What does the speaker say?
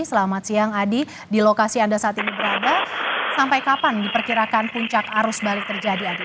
selamat siang adi di lokasi anda saat ini berada sampai kapan diperkirakan puncak arus balik terjadi adi